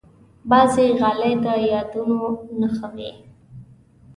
بعضې غالۍ د یادونو نښه وي.